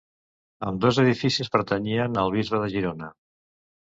Ambdós edificis pertanyien al bisbe de Girona.